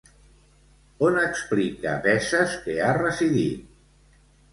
On explica Veses que ha residit?